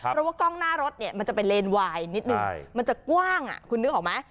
เพราะว่ากล้องหน้ารถเนี่ยมันจะเป็นเลนวายนิดนึงมันจะกว้างคุณนึกออกไหม